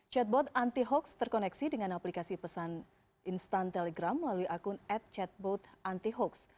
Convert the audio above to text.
chatbot anti hoax terkoneksi dengan aplikasi pesan instan telegram melalui akun ad chatbot anti hoax